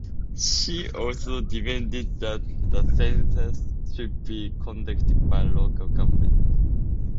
She also demanded that the census should be conducted by local government.